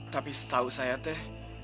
tapi setahu saya teh